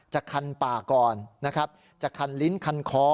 คันปากก่อนนะครับจะคันลิ้นคันคอ